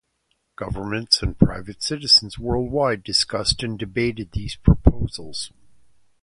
Governments and private citizens worldwide discussed and debated these proposals.